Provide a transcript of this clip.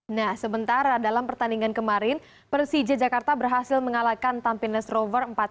nah sebentar dalam pertandingan kemarin persija jakarta berhasil mengalahkan tampines rover empat puluh satu